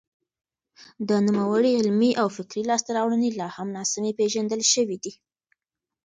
د نوموړي علمي او فکري لاسته راوړنې لا هم ناسمې پېژندل شوې دي.